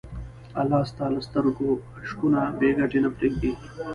الله ستا له سترګو اشکونه بېګټې نه پرېږدي.